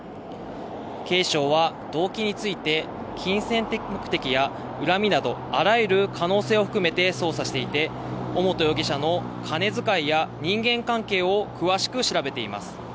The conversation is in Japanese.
警視庁は動機について、金銭的目的や恨みなど、あらゆる可能性を含めて捜査をしていて尾本容疑者の金遣いや人間関係を詳しく調べています。